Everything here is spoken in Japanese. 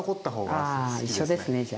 ああ一緒ですねじゃ。